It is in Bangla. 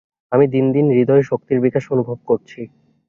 আমি দিন দিন হৃদয়ে শক্তির বিকাশ অনুভব করছি।